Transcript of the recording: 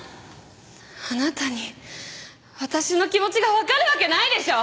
あなたに私の気持ちがわかるわけないでしょ！